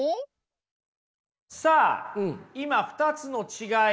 さあ今２つの違い